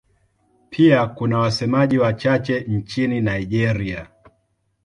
Pia kuna wasemaji wachache nchini Nigeria.